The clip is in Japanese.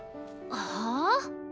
はあ？